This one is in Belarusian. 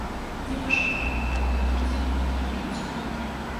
Непажадана ў гэты дзень прыбіраць у доме.